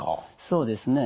そうですね。